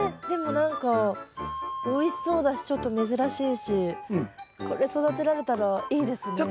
でも何かおいしそうだしちょっと珍しいしこれ育てられたらいいですね。